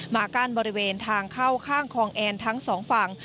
กั้นบริเวณทางเข้าข้างคลองแอนทั้งสองฝั่ง